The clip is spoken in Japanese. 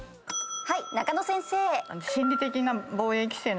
はい中野先生。